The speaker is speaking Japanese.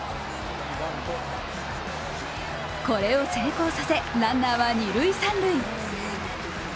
これを成功させ、ランナーは二・三塁。